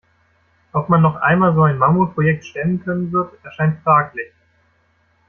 Ob man noch einmal so ein Mammutprojekt stemmen können wird, erscheint fraglich.